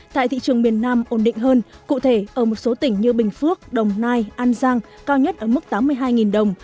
tại thị trường miền nam ổn định hơn cụ thể ở một số tỉnh như bình phước đồng nai an giang cao nhất ở mức tám mươi hai đồng